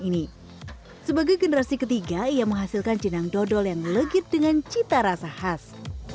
ini sebagai generasi ketiga ia menghasilkan jenang dodol yang legit dengan cita rasa khas